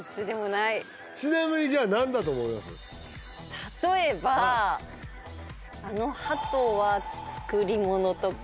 例えばあのハトは作り物とか？